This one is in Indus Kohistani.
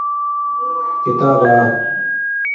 کتاب آ